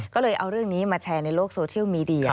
ก็เลยเอาเรื่องนี้มาแชร์ในโลกโซเชียลมีเดีย